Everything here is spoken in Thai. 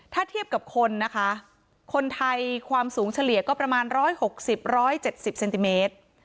ถ้าเทียบกับคนนะคะคนไทยความสูงเฉลี่ยก็ประมาณ๑๖๐๑๗๐เซนติเมตร